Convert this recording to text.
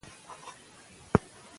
مکناټن په دې کار کي ډیر مهارت درلود.